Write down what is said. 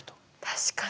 確かに。